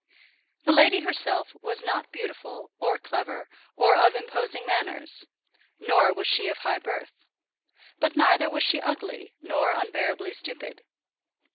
The lady herself was not beautiful, or clever, or of imposing manners nor was she of high birth. But neither was she ugly, nor unbearably stupid.